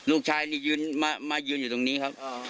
ลูกชายนี่มายืนอยู่ตรงนี้ครับ